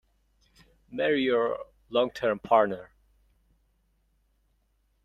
Marry your long-term partner.